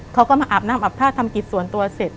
เขาก็มาอาบน้ำอาบท่าทำกิจส่วนตัวเสร็จ